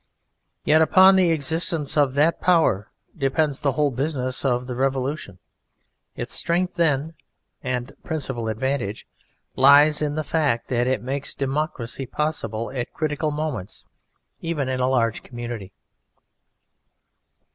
Yet upon the existence of that power depends the whole business of the Revolution. Its strength, then, (and principal advantage), lies in the fact that it makes democracy possible at critical moments, even in a large community.